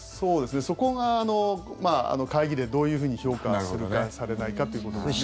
そこが会議でどういうふうに評価するかされないかということですね。